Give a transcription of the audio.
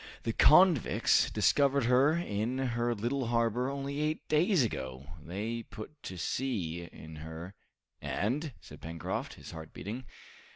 "The convicts discovered her in her little harbor only eight days ago, they put to sea in her " "And?" said Pencroft, his heart beating.